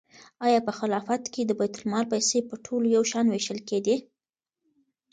آیا په خلافت کې د بیت المال پیسې په ټولو یو شان وېشل کېدې؟